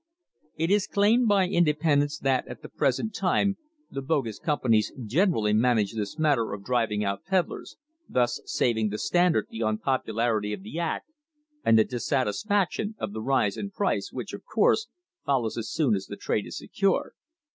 It is claimed by independents that at the present time the "bogus" companies generally manage this matter of driving out peddlers, thus saving the Standard the unpopu larity of the act and the dissatisfaction of the rise in price which, of course, follows as soon as the trade is secured.